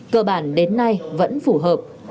cơ bản đến nay vẫn phù hợp